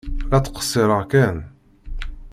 La ttqeṣṣireɣ kan.